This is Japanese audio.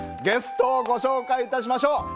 ゲストをご紹介いたしましょう。